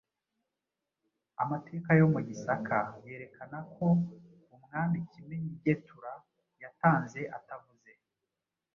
Amateka yo mu Gisaka yerekanako umwami Kimenyi Ngetura yatanze atavuze